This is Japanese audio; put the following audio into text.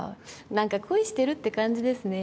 何か恋してるって感じですね。